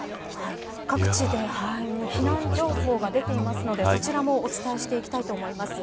各地で避難情報が出ていますのでそちらもお伝えしていきたいと思います。